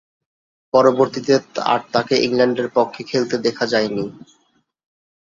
পরবর্তীতে আর তাকে ইংল্যান্ডের পক্ষে খেলতে দেখা যায়নি।